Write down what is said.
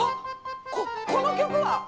ここの曲は！